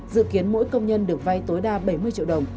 dự kiến mỗi công nhân được vay tối đa bảy mươi triệu đồng